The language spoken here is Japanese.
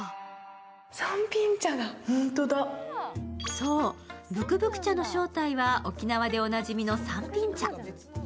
そう、ぶくぶく茶の正体は沖縄でおなじみのさんぴん茶。